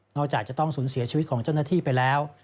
จากจะต้องสูญเสียชีวิตของเจ้าหน้าที่ไปแล้ว